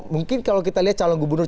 mungkin kalau kita lihat calon gubernur